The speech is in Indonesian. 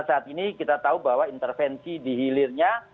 karena saat ini kita tahu bahwa intervensi di hilirnya